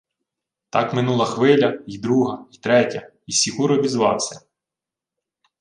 Так минула хвиля, й друга, й третя, й Сікур обізвався: